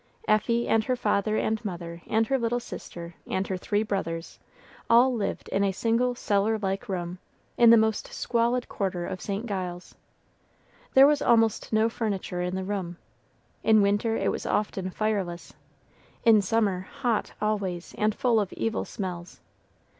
Effie and her father and mother and her little sister and her three brothers all lived in a single cellar like room, in the most squalid quarter of St. Giles. There was almost no furniture in the room; in winter it was often fireless, in summer hot always, and full of evil smells.